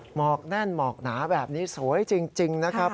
หมอกแน่นหมอกหนาแบบนี้สวยจริงนะครับ